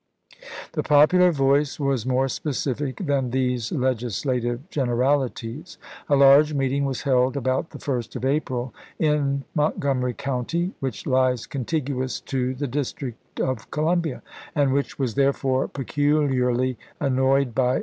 The popular voice was more specific than these legislative generalities. A large meeting was held about the 1st of April, in Montgomery county, which lies contiguous to the District of Columbia, and which was therefore peculiarly annoyed by the "Annual Cyclo pfedia," 1862, p.